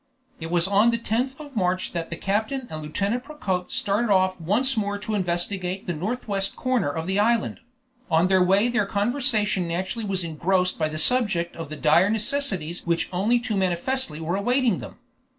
It was on the 10th of March that the captain and Lieutenant Procope started off once more to investigate the northwest corner of the island; on their way their conversation naturally was engrossed by the subject of the dire necessities which only too manifestly were awaiting them.